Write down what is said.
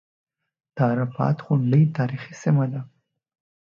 د عرفات غونډۍ تاریخي سیمه ده.